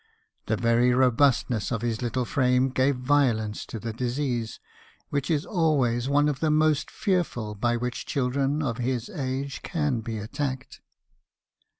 The very robustness of his little frame gave violence to the disease , which is always one of the most fearful by which children of his age can be attacked.